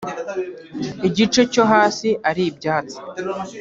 igice cyo hasi ari ibyatsi